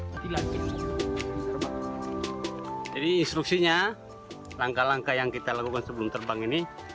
jadi instruksinya langkah langkah yang kita lakukan sebelum terbang ini